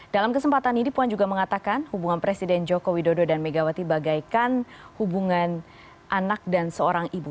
dalam kesempatan ini puan juga mengatakan hubungan presiden joko widodo dan megawati bagaikan hubungan anak dan seorang ibu